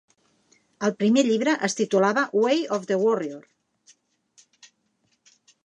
El primer llibre es titulava "Way of the Warrior".